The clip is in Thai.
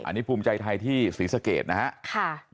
อันนี้ภูมิใจไทยที่ศรีสเกตนะฮะค่ะ